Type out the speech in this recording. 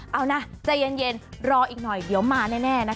เอานะใจเย็นรออีกหน่อยเดี๋ยวมาแน่นะคะ